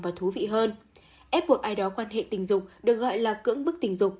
và thú vị hơn ép buộc ai đó quan hệ tình dục được gọi là cưỡng bức tình dục